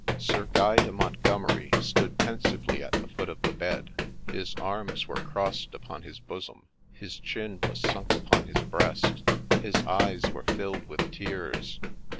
Sir Guy de Montgomeri stood pensively at the foot of the bed ; his arms were crossed upon his bosom, his chin was sunk upon his breast ; his eyes were filled with tears ; the.